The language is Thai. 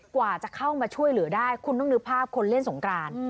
กว่าจะเข้ามาช่วยเหลือได้คุณต้องนึกภาพคนเล่นสงกราน